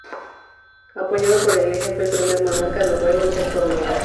Apoyado por la Iglesia, fue el primer monarca noruego en ser coronado.